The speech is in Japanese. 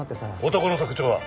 男の特徴は？